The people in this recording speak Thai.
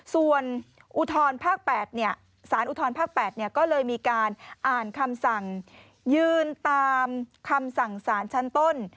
ส่วนอุทธรภาค๘สารอุทธรภาค๘ก็เลยมีการอ่านคำสั่งยืนตามคำสั่งสารชั้นต้น